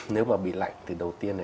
nếu mà bị lạnh thì đầu tiên